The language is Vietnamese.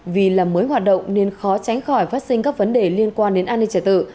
vì là mới hoạt động nên khó tránh khỏi phát sinh các vấn đề liên quan đến an ninh trả tự